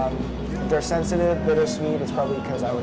mereka sensitif menarik mungkin karena saya merasakan hal hal itu